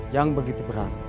yang begitu berat